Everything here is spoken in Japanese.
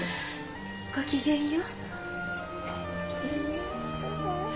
ごきげんよう。